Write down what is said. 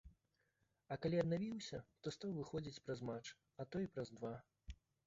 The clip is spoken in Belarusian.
А калі аднавіўся, то стаў выходзіць праз матч, а то і праз два.